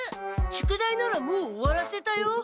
宿題ならもう終わらせたよ。